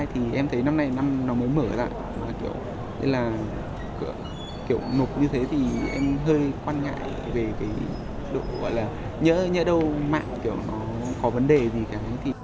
thế là kiểu nộp như thế thì em hơi quan ngại về cái độ gọi là nhỡ đâu mạng kiểu nó có vấn đề gì cả